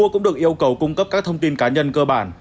cũng được yêu cầu cung cấp các thông tin cá nhân cơ bản